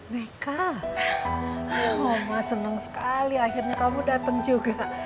bk oma seneng sekali akhirnya kamu datang juga